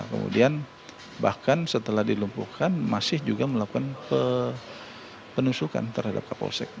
kemudian bahkan setelah dilumpuhkan masih juga melakukan penusukan terhadap kapolsek